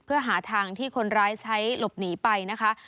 เพื่อหาทางที่คนร้ายใช้หลบหนีไปนะคะ